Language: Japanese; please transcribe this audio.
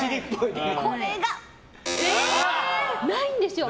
これがないんですよ。